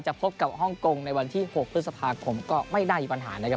พบกับฮ่องกงในวันที่๖พฤษภาคมก็ไม่น่ามีปัญหานะครับ